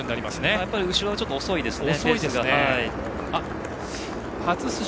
やはり後ろがちょっと遅いですね。